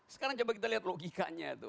sekarang coba kita lihat logikanya tuh